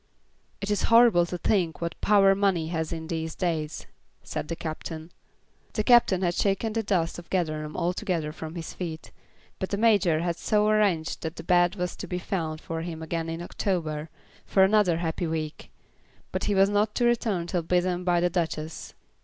"It is horrible to think what power money has in these days," said the Captain. The Captain had shaken the dust of Gatherum altogether from his feet, but the Major had so arranged that a bed was to be found for him again in October, for another happy week; but he was not to return till bidden by the Duchess.